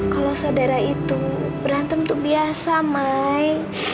kalau saudara itu berantem tuh biasa mai